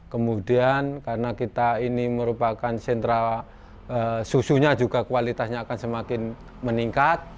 kemudian karena kita ini merupakan sentra susunya juga kualitasnya akan semakin meningkat